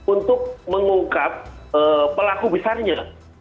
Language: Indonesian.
untuk mengungkap pelaku besarnya